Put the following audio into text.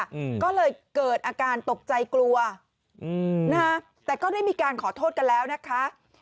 อืมก็เลยเกิดอาการตกใจกลัวอืมนะฮะแต่ก็ได้มีการขอโทษกันแล้วนะคะ